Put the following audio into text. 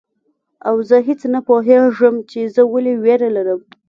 او زه هیڅ نه پوهیږم چي زه ولي ویره لرم